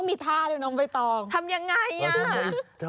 มีกลิ่นหอมกว่า